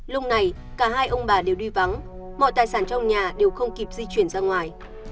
lúc này cả hai ông bà đều đi vắng mọi tài sản trong nhà đều không kịp di chuyển ra ngoài